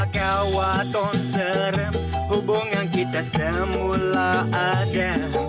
kewaton serem hubungan kita semula ada